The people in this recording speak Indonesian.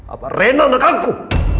apa renan akan kukuh